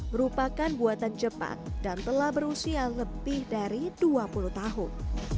merupakan buatan jepang dan telah berusia lebih dari dua puluh tahun